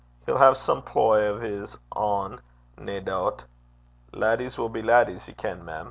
He'll hae some ploy o' 's ain, nae doobt. Laddies will be laddies, ye ken, mem.'